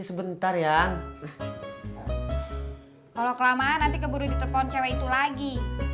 sebentar ya kalau kelamaan nanti keburu di telpon cewek itu lagi